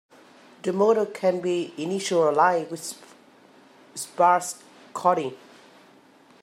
The model can be initialized with sparse coding.